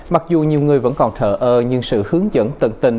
mặc dù nhiều người vẫn còn thở ơ nhưng sự hướng dẫn tận tình